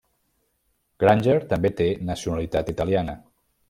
Granger també té nacionalitat italiana.